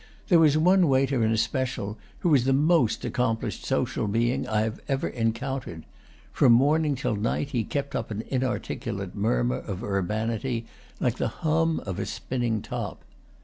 There was one waiter in especial who was the most accomplished social being I have ever encountered; from morning till night he kept up an inarticulate murmur of urbanity, like the hum of a spinning top.